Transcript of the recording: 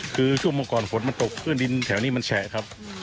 คือช่วงเมื่อก่อนฝนมันตกพื้นดินแถวนี้มันแฉะครับ